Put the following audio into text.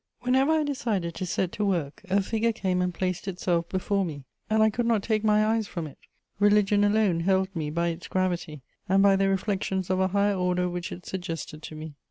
Whenever I decided to set to work, a figure came and placed itself before me, and I could not take my eyes from it: religion alone held me by its gravity and by the reflections of a higher order which it suggested to me.